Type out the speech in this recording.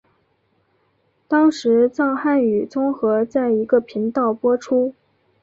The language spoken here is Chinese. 当时藏汉语综合在一个频道播出。